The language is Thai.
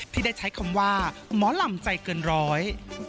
ที่ได้ใช้คำว่าหมอลำใจเกินร้อย